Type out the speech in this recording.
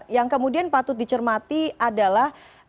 yang kemudian patut dicermati adalah